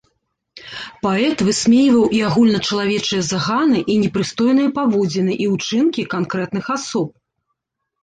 Паэт высмейваў і агульначалавечыя заганы, і непрыстойныя паводзіны і ўчынкі канкрэтных асоб.